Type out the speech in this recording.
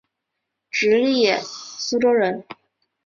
直隶苏州人。